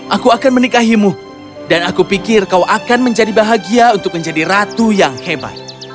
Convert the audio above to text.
aku akan menikahimu dan aku pikir kau akan menjadi bahagia untuk menjadi ratu yang hebat